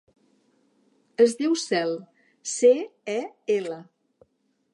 Es diu Cel: ce, e, ela.